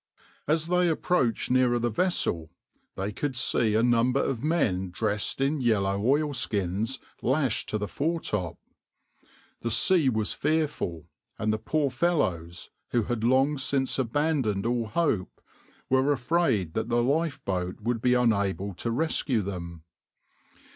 As they approached nearer the vessel they could see a number of men dressed in yellow oilskins lashed to the foretop. The sea was fearful, and the poor fellows, who had long since abandoned all hope, were afraid that the lifeboat would be unable to rescue them.